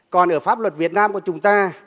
còn ở pháp luật việt nam của chúng ta